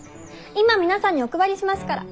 今皆さんにお配りしますから。